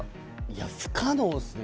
いや不可能ですね